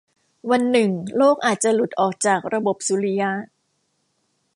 วันหนึ่งโลกอาจจะหลุดออกจากระบบสุริยะ